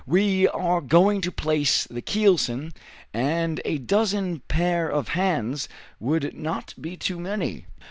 We are going to place the keelson, and a dozen pair of hands would not be too many.